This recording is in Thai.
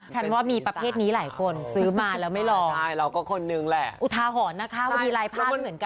ฉันว่ามีประเภทนี้หลายคนซื้อมาแล้วไม่ลองใช่เราก็คนนึงแหละอุทาหรณ์นะคะมีลายภาพเหมือนกัน